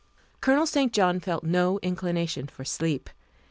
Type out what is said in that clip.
Colonel St. John felt no inclination for sleep.